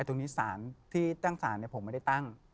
ตรงนี้สารที่ตั้งศาลผมไม่ได้ตั้ง